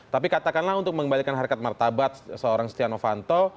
tapi katakanlah untuk mengembalikan harkat martabat seorang setia novanto